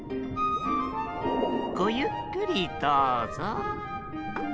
ごゆっくりどうぞ。